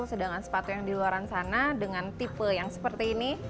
sedangkan sepatu yang di luar sana dengan tipe yang seperti ini